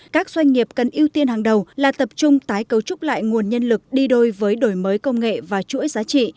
các doanh nghiệp cần ưu tiên hàng đầu là tập trung tái cấu trúc lại nguồn nhân lực đi đôi với đổi mới công nghệ và chuỗi giá trị